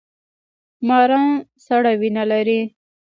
ماران سړه وینه لري